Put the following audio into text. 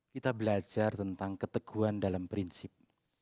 kita belajar tentang keteguhan dalam prinsip